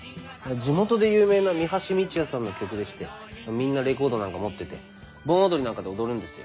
地元で有名な三橋美智也さんの曲でしてみんなレコードなんか持ってて盆踊りなんかで踊るんですよ。